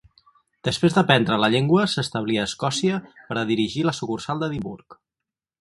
Després d'aprendre la llengua s'establí a Escòcia per a dirigir la sucursal d'Edimburg.